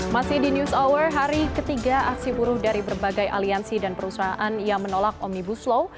masih di news hour hari ketiga aksi buruh dari berbagai aliansi dan perusahaan yang menolak omnibus law